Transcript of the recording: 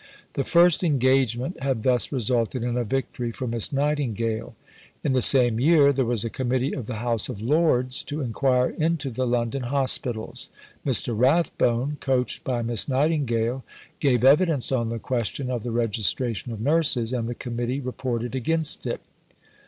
The first engagement had thus resulted in a victory for Miss Nightingale. In the same year there was a Committee of the House of Lords to inquire into the London Hospitals. Mr. Rathbone, coached by Miss Nightingale, gave evidence on the question of the registration of nurses, and the Committee reported against it.